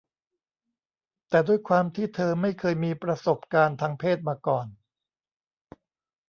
แต่ด้วยความที่เธอไม่เคยมีประสบการณ์ทางเพศมาก่อน